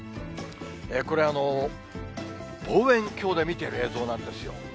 これは望遠鏡で見てる映像なんですよ。